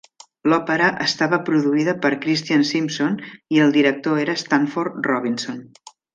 L'òpera estava produïda per Christian Simpson i el director era Stanford Robinson.